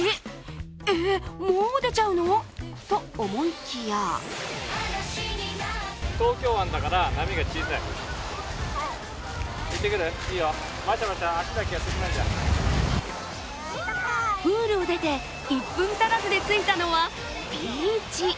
えっ、もう出ちゃうの？と思いきやプールを出て１分足らずで着いたのはビーチ。